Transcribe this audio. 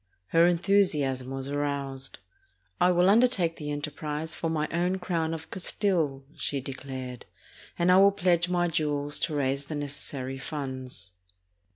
Her enthusiasm was aroused. ''I will undertake the enterprise for my own crown of Cas tile," she declared, "and I will pledge my jewels to raise the necessary funds."